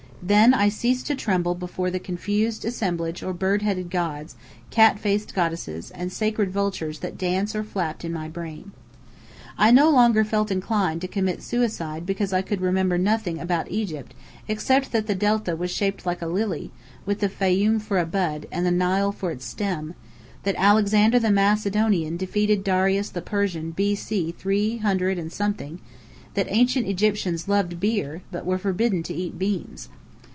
Then I ceased to tremble before the confused assemblage or bird headed gods, cat faced goddesses, and sacred vultures that danced or flapped in my brain. I no longer felt inclined to commit suicide because I could remember nothing about Egypt except that the Delta was shaped like a lily, with the Fayum for a bud, and the Nile for its stem: that Alexander the Macedonian defeated Darius the Persian B. C. three hundred and something; that ancient Egyptians loved beer, but were forbidden to eat beans.